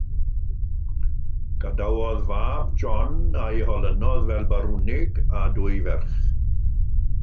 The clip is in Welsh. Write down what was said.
Gadawodd fab, John, a'i holynodd fel barwnig, a dwy ferch.